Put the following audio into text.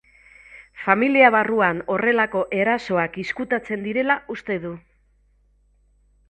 Familia barruan horrelako erasoak izkutatzen direla uste du.